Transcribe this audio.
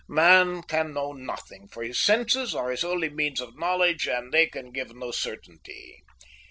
Man can know nothing, for his senses are his only means of knowledge, and they can give no certainty.